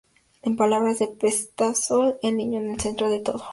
En palabras de Pestalozzi: "El niño en el centro de todo".